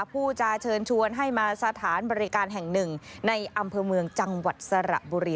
ผู้จะเชิญชวนให้มาสถานบริการแห่งหนึ่งในอำเภอเมืองจังหวัดสระบุรี